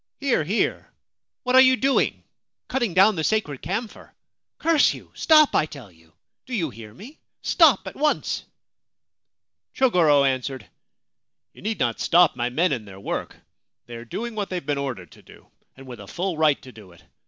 ' Here, here ! What are you doing ? Cutting down the sacred camphor ? Curse you ! Stop, I tell you ! Do you hear me ? Stop at once !' Chogoro answered :' You need not stop my men in their work. They are doing what they have been ordered to do, and with a full right to do it.